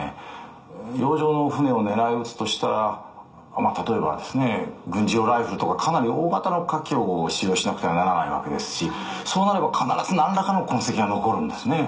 洋上の船を狙い撃つとしたらまあ例えばですね軍事用ライフルとかかなり大型の火器を使用しなくてはならないわけですしそうなれば必ず何らかの痕跡が残るんですね